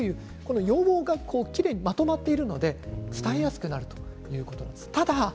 要望がきれいにまとまっているので使いやすくなるということです。